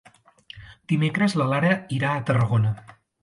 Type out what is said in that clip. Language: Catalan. Dimecres na Lara irà a Tarragona.